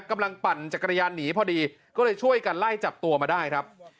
ปั่นจักรยานหนีพอดีก็เลยช่วยกันไล่จับตัวมาได้ครับ